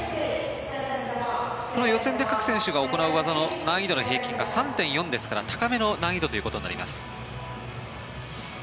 この予選で各選手が行う技の難易度の平均が３．４ですから高めの難易度ということになります。